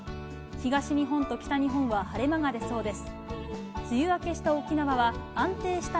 東日本と北日本は晴れ間が出そうです。